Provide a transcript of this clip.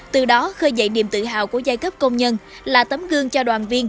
từ đó khơi dậy niềm tự hào của giai cấp công nhân là tấm gương cho đoàn viên